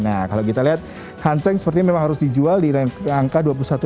nah kalau kita lihat hang seng sepertinya memang harus dijual di rangka dua puluh satu tiga ratus tujuh puluh